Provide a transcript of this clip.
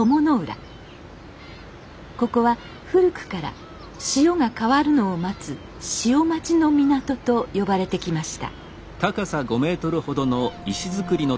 ここは古くから潮が変わるのを待つ「潮待ちの港」と呼ばれてきました。